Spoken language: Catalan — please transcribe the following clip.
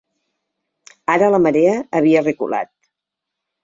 Ara la marea havia reculat.